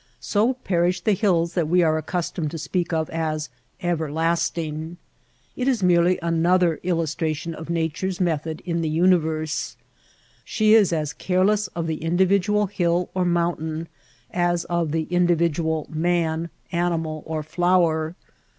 So perish the hills that we are accustomed to spealc of as ^* everlasting/^ It is merely another illus tration of Nature's method in the universe. She is as careless of the individual hill or moun tain as of the individual man, animal, or flower.